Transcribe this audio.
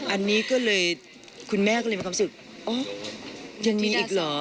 อันนี้ก็เลยคุณแม่ก็เลยมีความรู้สึกอ๋อยังมีอีกเหรอ